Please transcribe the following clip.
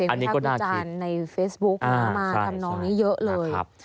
อันนี้ก็น่าคิด